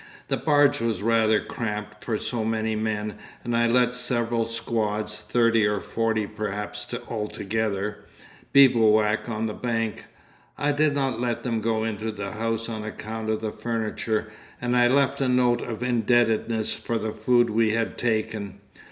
The barge was rather cramped for so many men, and I let several squads, thirty or forty perhaps altogether, bivouac on the bank. I did not let them go into the house on account of the furniture, and I left a note of indebtedness for the food we had taken.